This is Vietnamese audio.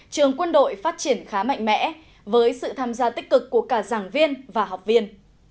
trường quân đội phát triển khá mạnh mẽ với sự tham gia tích cực của cả giảng viên và học viên